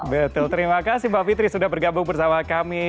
betul terima kasih mbak fitri sudah bergabung bersama kami